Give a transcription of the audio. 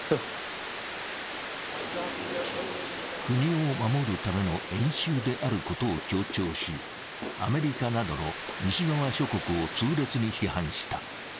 国を守るための演習であることを強調し、アメリカなどの西側諸国を痛烈に批判した。